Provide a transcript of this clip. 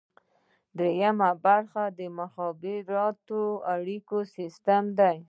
دریمه برخه د مخابراتي اړیکو سیستم دی.